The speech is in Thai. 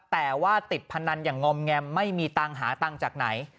แต่ว่าติดพนันอย่างงอมแงมไม่มีตังค์หาตังค์จากไหน